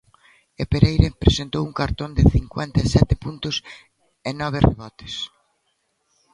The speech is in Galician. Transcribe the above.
E Pereira presentou un cartón de cincuenta e sete puntos e nove rebotes.